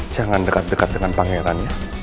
jangan dekat dekat dengan pangerannya